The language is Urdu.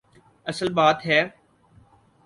اصل بات ہے۔